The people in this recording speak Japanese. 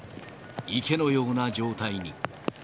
池のような状態に。